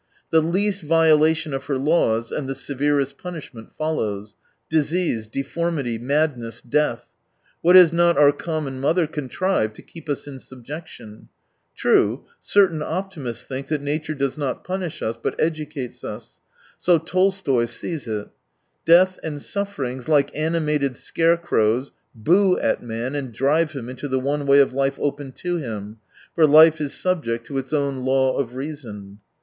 The least violation of her laws — and the severest punishment follows. Disease, deformity, madness, death — what has not our common mother con trived to keep us in subjection ? True, certain optimists think that nature does not punish us, but educates us. So Tolstoy sees it. " Death and sufferings, like ani mated scarecrows, boo at man and drive him into the one way of life open to him : for life is subject to its own law of reason."